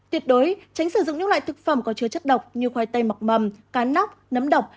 tuyệt đối tránh sử dụng những loại thực phẩm có chứa chất độc như khoai tây mọc mầm cá nóc nấm độc